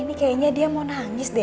ini kayaknya dia mau nangis deh